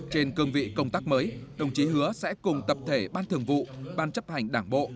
trên cương vị công tác mới đồng chí hứa sẽ cùng tập thể ban thường vụ ban chấp hành đảng bộ